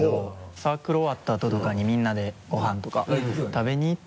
サークル終わったあととかにみんなでご飯とか食べに行って。